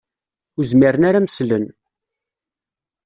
Ur zmiren ad am-slen.